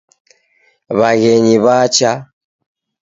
Waghenyi wacha.